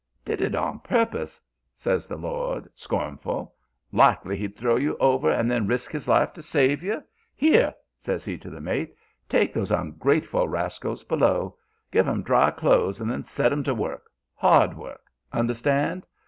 "'Did it on purpose!' says the lord, scornful. 'Likely he'd throw you over and then risk his life to save you. Here!' says he to the mate. 'Take those ungrateful rascals below. Give 'em dry clothes and then set 'em to work hard work; understand?